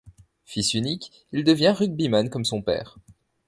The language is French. Fils unique, il devient rugbyman comme son père.